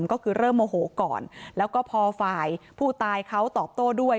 ก็คือเริ่มโมโหก่อนแล้วก็พอฝ่ายผู้ตายเขาตอบโต้ด้วย